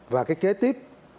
và cái kế tiếp